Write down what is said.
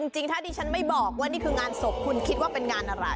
จริงถ้าดิฉันไม่บอกว่านี่คืองานศพคุณคิดว่าเป็นงานอะไร